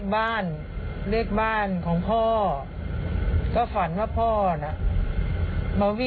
๑๘ใบ